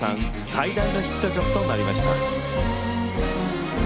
最大のヒット曲となりました。